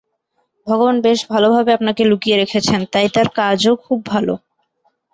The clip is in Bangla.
ভগবান বেশ ভালভাবে আপনাকে লুকিয়ে রেখেছেন, তাই তাঁর কাজও খুব ভাল।